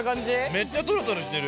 めっちゃトロトロしてる。